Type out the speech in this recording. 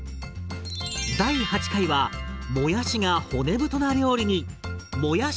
第８回はもやしが骨太な料理に。